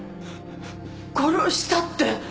殺したって？